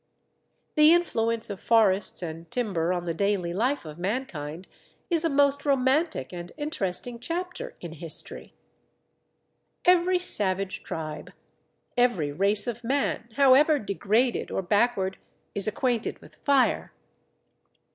The influence of forests and timber on the daily life of mankind is a most romantic and interesting chapter in history. Every savage tribe, every race of man, however degraded or backward, is acquainted with fire.